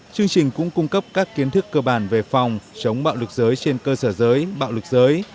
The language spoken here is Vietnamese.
chương trình cũng cung cấp các kiến thức cơ bản về phòng chống bạo lực giới trên cơ sở giới bạo lực giới